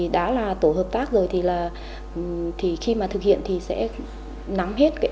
đã là tổ hợp tác rồi thì khi thực hiện thì sẽ nắm hết ông tổ trưởng